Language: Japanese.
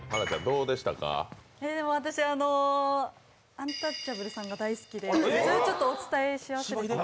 アンタッチャブル大好きでそれをちょっとお伝えし忘れて。